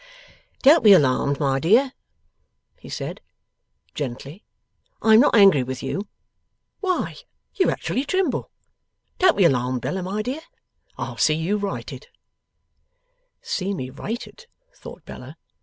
'Don't be alarmed, my dear,' he said, gently; 'I am not angry with you. Why you actually tremble! Don't be alarmed, Bella my dear. I'll see you righted.' 'See me righted?' thought Bella.